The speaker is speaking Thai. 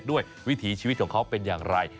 วิถีชีวิตของเขาเป็นอย่างไร